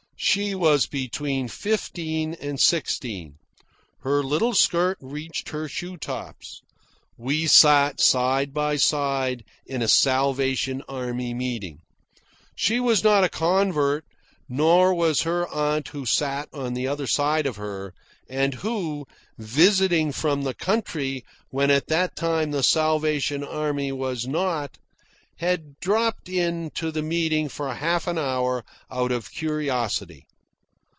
She was between fifteen and sixteen. Her little skirt reached her shoe tops. We sat side by side in a Salvation Army meeting. She was not a convert, nor was her aunt who sat on the other side of her, and who, visiting from the country where at that time the Salvation Army was not, had dropped in to the meeting for half an hour out of curiosity.